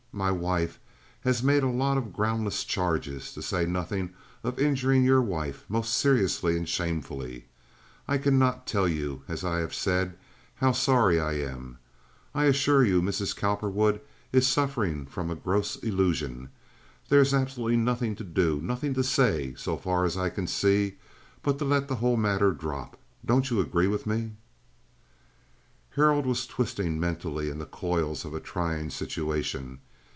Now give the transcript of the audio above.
My wife has made a lot of groundless charges, to say nothing of injuring your wife most seriously and shamefully. I cannot tell you, as I have said, how sorry I am. I assure you Mrs. Cowperwood is suffering from a gross illusion. There is absolutely nothing to do, nothing to say, so far as I can see, but to let the whole matter drop. Don't you agree with me?" Harold was twisting mentally in the coils of a trying situation.